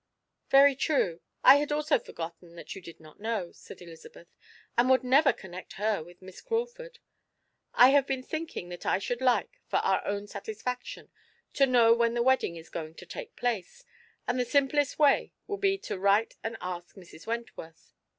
"Very true; I had also forgotten that you did not know," said Elizabeth, "and would never connect her with Miss Crawford. I have been thinking that I should like, for our own satisfaction, to know when the wedding is going to take place, and the simplest way will be to write and ask Mrs. Wentworth.